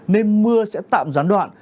nên mưa sẽ tạm gián đoạn